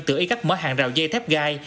tự ý cách mở hàng rào dây thép gai